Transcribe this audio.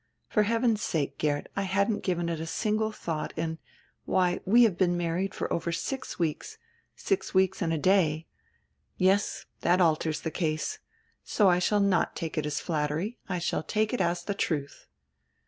For heaven's sake, Geert, I hadn't given it a single diought, and — why, we have been married for over six weeks, six weeks and a day. Yes, diat alters die case. So I shall not take it as flattery, I shall take it as die truth."